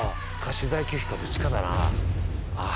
取材拒否かどっちかだな。